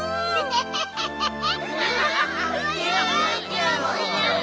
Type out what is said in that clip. ハハハハハ！